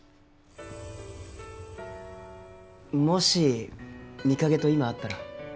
もし美影と今会ったら？